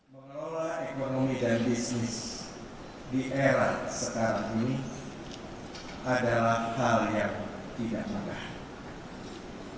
mengelola ekonomi dan bisnis di era sekarang ini adalah hal yang tidak mudah